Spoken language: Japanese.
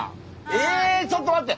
えちょっと待って！